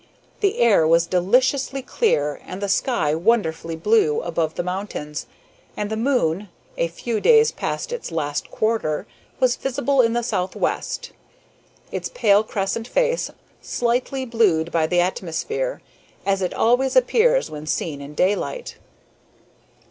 The air was deliciously clear and the sky wonderfully blue above the mountains, and the moon, a few days past its last quarter, was visible in the southwest, its pale crescent face slightly blued by the atmosphere, as it always appears when seen in daylight.